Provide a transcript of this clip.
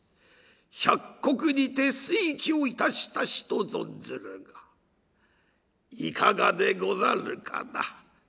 百石にて推挙いたしたしと存ずるがいかがでござるかな。